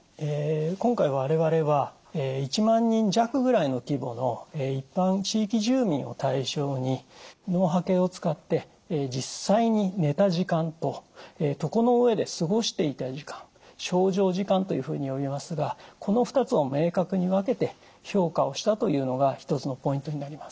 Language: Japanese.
今回我々は１万人弱ぐらいの規模の一般地域住民を対象に脳波計を使って実際に寝た時間と床の上で過ごしていた時間床上時間というふうに呼びますがこの２つを明確に分けて評価をしたというのが一つのポイントになります。